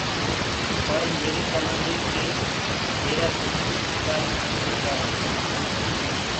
پر ميري ڪني دي ڪي ميرآ سنگتي شڪآري تاڻيٚ لي ڪي گوآ هينٚ۔